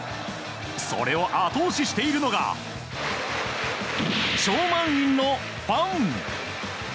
それを後押ししているのが超満員のファン。